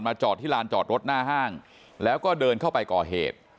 จอดที่ลานจอดรถหน้าห้างแล้วก็เดินเข้าไปก่อเหตุ